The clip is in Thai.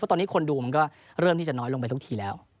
ตอนนี้คนดูมันก็เริ่มที่จะน้อยลงไปทุกทีแล้ว